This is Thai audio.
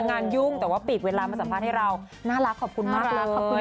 งานยุ่งแต่ว่าปีกเวลามาสัมภาษณ์ให้เราน่ารักขอบคุณมากเลยขอบคุณ